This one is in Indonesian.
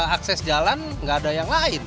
akses jalan nggak ada yang lain